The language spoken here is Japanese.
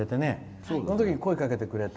そのときに声かけてくれて。